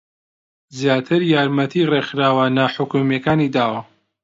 زیاتر یارمەتی ڕێکخراوە ناحوکمییەکانی داوە